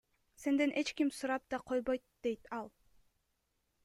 Сенден эч ким сурап да койбойт, — дейт ал.